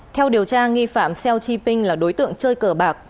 theo điều tra nghi phạm seo chi pin là đối tượng chơi cờ bạc